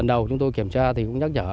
lần đầu chúng tôi kiểm tra thì cũng nhắc nhở